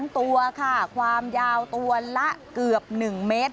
๒ตัวค่ะความยาวตัวละเกือบ๑เมตร